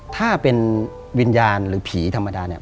ถ้าเป็นวิญญาณหรือผีธรรมดาเนี่ย